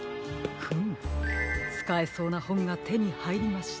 フムつかえそうなほんがてにはいりました。